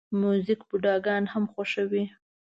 موزیک بوډاګان هم خوښوي.